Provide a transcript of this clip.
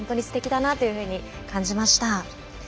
すてきだなというふうに感じました。